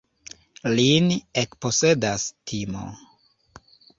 Lin ekposedas timo.